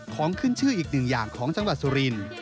ของขึ้นชื่ออีกหนึ่งอย่างของจังหวัดสุรินทร์